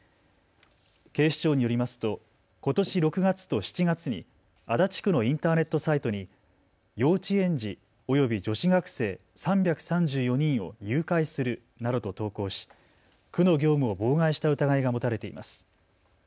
警視庁によりますとことし６月と７月に足立区のインターネットサイトに幼稚園児および女子学生３３４人を誘拐するなどと投稿し区の業務を妨害した疑いが持たれています。